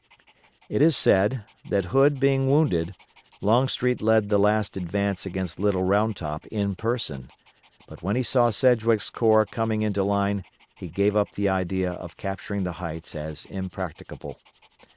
It is said, that Hood being wounded, Longstreet led the last advance against Little Round Top in person, but when he saw Sedgwick's corps coming into line he gave up the idea of capturing the heights as impracticable.